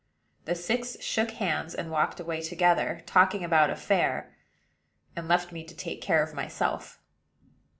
The six shook hands, and walked away together, talking about a fair; and left me to take care of myself.